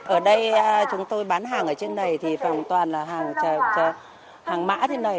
ở đây chúng tôi bán hàng ở trên này thì vòng toàn là hàng mã thế này